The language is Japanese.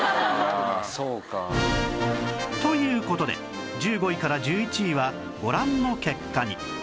という事で１５位から１１位はご覧の結果に